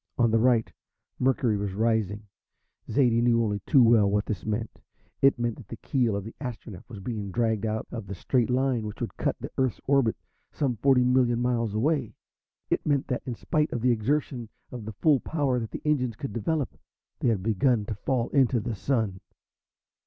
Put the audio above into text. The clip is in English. On the right Mercury was rising. Zaidie knew only too well what this meant. It meant that the keel of the Astronef was being dragged out of the straight line which would cut the Earth's orbit some forty million miles away. It meant that, in spite of the exertion of the full power that the engines could develop, they had begun to fall into the Sun.